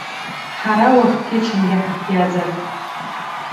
Ҳара уахгьы-ҽынгьы ҳахиазароуп.